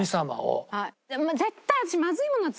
絶対私。